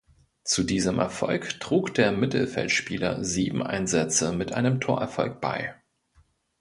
Zu diesem Erfolg trug der Mittelfeldspieler sieben Einsätze mit einem Torerfolg bei.